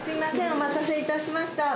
お待たせ致しました。